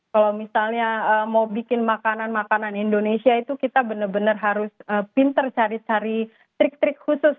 kalau misalnya mau bikin makanan makanan indonesia itu kita benar benar harus pinter cari cari trik trik khusus